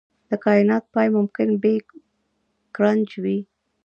د کائنات پای ممکن بیګ کرنچ وي.